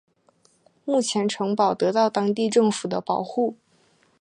目前城堡得到当地政府的保护。